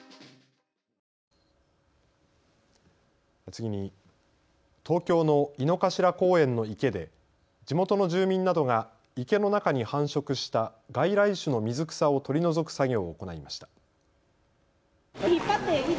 次に東京の井の頭公園の池で地元の住民などが池の中に繁殖した外来種の水草を取り除く作業を行いました。